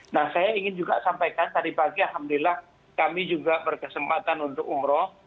nah saya ingin juga sampaikan tadi pagi alhamdulillah kami juga berkesempatan untuk umroh